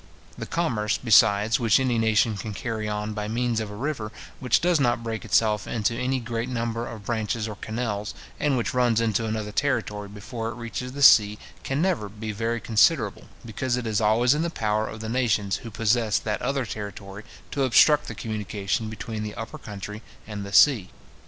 The commerce, besides, which any nation can carry on by means of a river which does not break itself into any great number of branches or canals, and which runs into another territory before it reaches the sea, can never be very considerable, because it is always in the power of the nations who possess that other territory to obstruct the communication between the upper country and the sea.